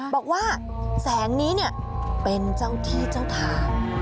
บอกว่าแสงนี้เป็นเจ้าที่เจ้าทาง